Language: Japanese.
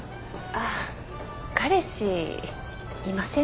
あっ彼氏いませんから。